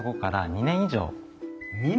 ２年！？